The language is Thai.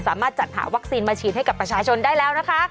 สามารถจัดหาวัคซีนมาฉีดให้กับประชาชนได้แล้วนะคะ